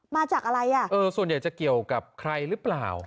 มาจากอะไรอ่ะเออส่วนใหญ่จะเกี่ยวกับใครหรือเปล่า